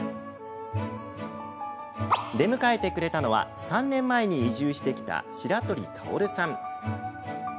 出迎えてくれたのは、３年前に移住してきた白鳥薫さん。